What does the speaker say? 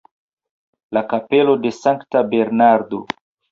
La kapelo de Sankta Bernardo.